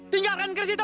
tinggalkan ke situ